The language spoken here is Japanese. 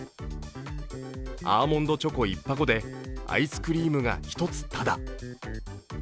アーモンドチョコ１箱でアイスクリームが１つただ。